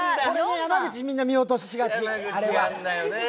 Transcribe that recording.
山口、みんな見落としがち。